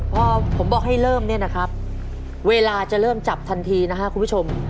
พอผมบอกให้เริ่มเนี่ยนะครับเวลาจะเริ่มจับทันทีนะครับคุณผู้ชม